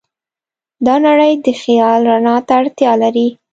دا نړۍ د خیال رڼا ته اړتیا لري.